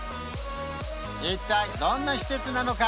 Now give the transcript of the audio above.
一体どんな施設なのか？